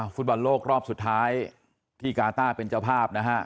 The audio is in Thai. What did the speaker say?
ฟุตบอลโลกรอบสุดท้ายที่กาต้าเป็นเจ้าภาพนะฮะ